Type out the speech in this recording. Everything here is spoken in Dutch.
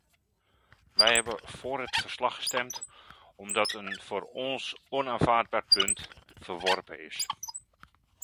Wij hebben voor het verslag gestemd, omdat een voor ons onaanvaardbaar punt verworpen is.